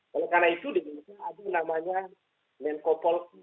oleh karena itu di indonesia ada yang namanya menko polk